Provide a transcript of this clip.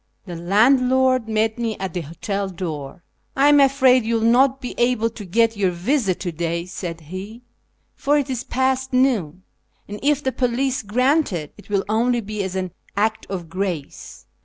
The landlord met me at the hotel door. " I am afraid you will not be able to get your visa to day," said he, " for it is past noon, and if the police grant it, it will only be as an act of grace.